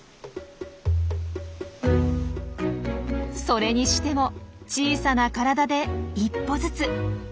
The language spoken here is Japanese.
それにしても小さな体で一歩ずつ。